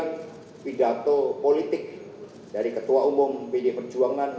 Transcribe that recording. ini pidato politik dari ketua umum pd perjuangan